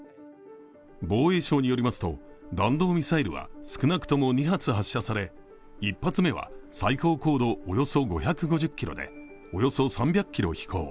防衛省によりますと、弾道ミサイルは少なくとも２発発射され１発目は最高高度およそ５５０ｋｍで、およそ３００ｋｍ飛行。